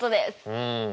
うん。